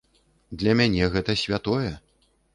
Для мяне гэта святое.